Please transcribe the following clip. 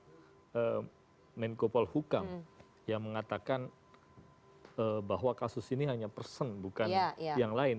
statement dari pak menko paul hukam yang mengatakan bahwa kasus ini hanya perseng bukan yang lain